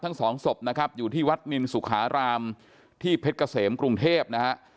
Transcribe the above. ทั้งสองศพนะครับอยู่ที่วัดนินสุขารามที่เพชรเกษมกรุงเทพนะฮะ